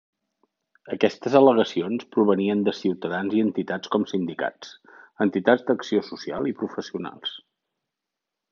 Aquestes al·legacions provenien de ciutadans i entitats com sindicats, entitats d'acció social i professionals.